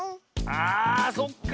あそっか。